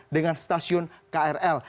dengan stasiun krl